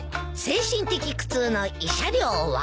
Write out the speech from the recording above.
精神的苦痛の慰謝料は？